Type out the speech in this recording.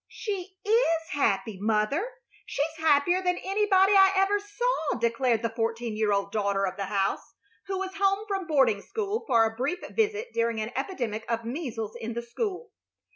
"She is happy; mother, she's happier than anybody I ever saw," declared the fourteen year old daughter of the house, who was home from boarding school for a brief visit during an epidemic of measles in the school.